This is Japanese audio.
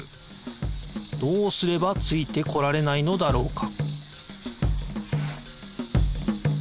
どうすればついてこられないのだろうか？